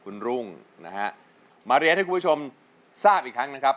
คุณรุ่งนะฮะมาเรียนให้คุณผู้ชมทราบอีกครั้งนะครับ